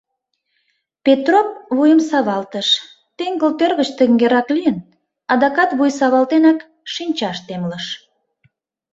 Петроп вуйым савалтыш, теҥгыл тӧр гыч тыҥгерак лийын, адакат вуй савалтенак шинчаш темлыш.